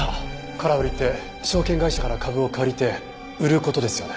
空売りって証券会社から株を借りて売る事ですよね？